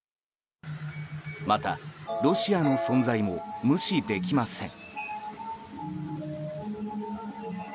また、ロシアの存在も無視できません。